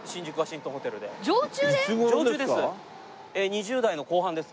２０代の後半です。